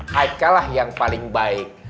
haikal lah yang paling baik